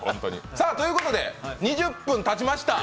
ということで２０分たちました。